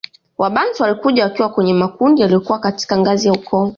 Wabantu walikuja wakiwa kwenye makundi yaliyokuwa katika ngazi ya ukoo